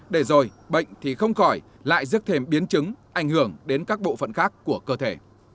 để rồi bệnh thì không khỏi lại dứt thêm biến chứng ảnh hưởng đến các bộ phận khác của cơ thể